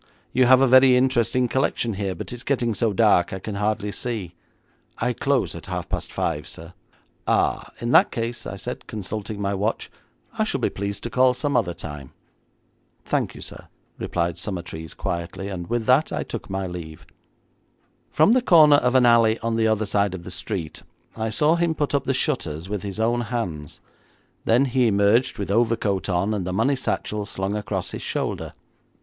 You have a very interesting collection here, but it's getting so dark I can hardly see.' 'I close at half past five, sir.' 'Ah, in that case,' I said, consulting my watch, 'I shall be pleased to call some other time.' 'Thank you, sir,' replied Summertrees quietly, and with that I took my leave. From the corner of an alley on the other side of the street I saw him put up the shutters with his own hands, then he emerged with overcoat on, and the money satchel slung across his shoulder.